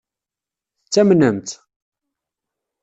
Tettamnem-tt?